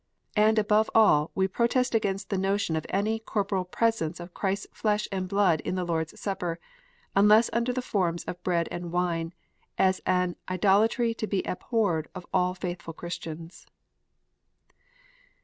And above all, we protest against the notion of any corporal presence of Christ s flesh and blood in the Lord s Supper, under the forms of bread and wine, as an "idolatry to be abhorred of all faithful Christians."